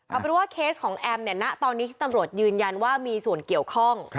เอาเป็นว่าเคสของแอมเนี่ยณตอนนี้ที่ตำรวจยืนยันว่ามีส่วนเกี่ยวข้อง